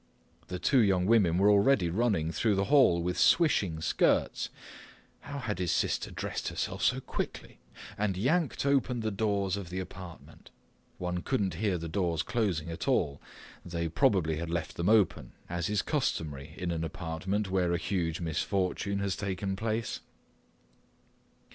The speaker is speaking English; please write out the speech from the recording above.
The two young women were already running through the hall with swishing skirts—how had his sister dressed herself so quickly?—and yanked open the doors of the apartment. One couldn't hear the doors closing at all. They probably had left them open, as is customary in an apartment where a huge misfortune has taken place.